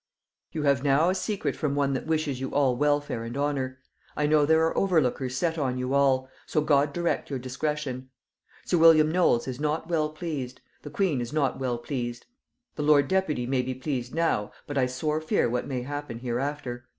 "You have now a secret from one that wishes you all welfare and honor; I know there are overlookers set on you all, so God direct your discretion. Sir William Knolles is not well pleased, the queen is not well pleased, the lord deputy may be pleased now, but I sore fear what may happen hereafter.